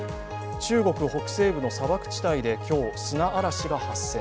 中国北西部の砂漠地帯で今日、砂嵐が発生。